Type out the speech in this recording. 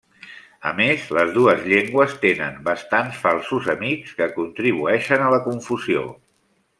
A més, les dues llengües tenen bastants falsos amics que contribueixen a la confusió.